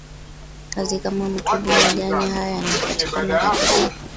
kazi kama mtubwi Majani haya yanayopatikana katika